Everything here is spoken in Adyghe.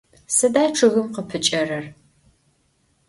Сыда чъыгым къыпыкӏэрэр?